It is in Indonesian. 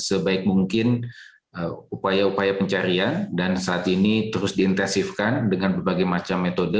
sebaik mungkin upaya upaya pencarian dan saat ini terus diintensifkan dengan berbagai macam metode